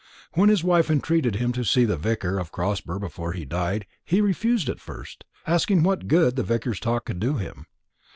When his wife entreated him to see the vicar of Crosber before he died, he refused at first, asking what good the vicar's talk could do him.